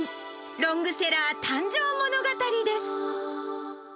ロングセラー誕生物語です。